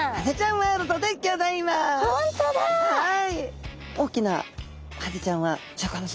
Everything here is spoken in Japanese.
はい。